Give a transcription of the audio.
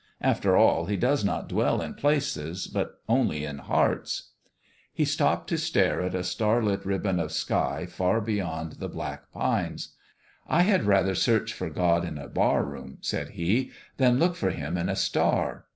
After all, He does not dwell in places, but only in hearts." He stopped to stare at a starlit ribbon of sky far beyond the 278 BOUND THROUGH black pines. " I had rather search for God in a barroom," said he, "than look for Him in a star.